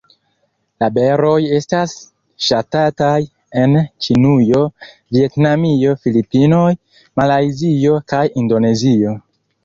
La beroj estas ŝatataj en Ĉinujo, Vjetnamio, Filipinoj, Malajzio kaj Indonezio.